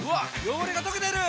汚れが溶けてる！